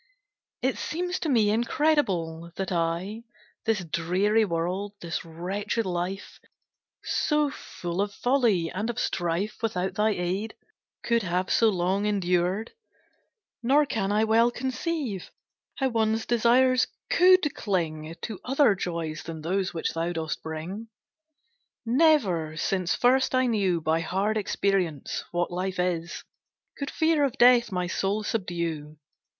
It seems to me incredible, that I This dreary world, this wretched life, So full of folly and of strife, Without thy aid, could have so long endured; Nor can I well conceive, How one's desires could cling To other joys than those which thou dost bring. Never, since first I knew By hard experience what life is, Could fear of death my soul subdue.